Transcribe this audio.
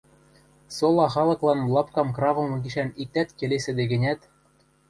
Сола халыклан лапкам кравымы гишӓн иктӓт келесӹде гӹнят